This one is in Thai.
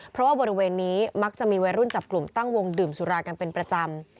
เพราะว่าบริเวณนี้มักจะมีวัยรุ่นจับกลุ่มตั้งวงดื่มสุรากันเป็นประจำ